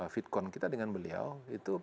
fitcon kita dengan beliau itu